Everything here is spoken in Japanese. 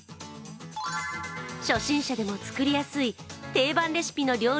初心者でも作りやすい定番レシピの料理